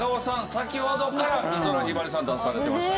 先ほどから美空ひばりさん出されてました。